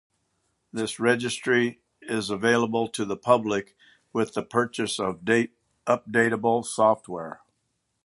This registry is available to the public with the purchase of updatable software.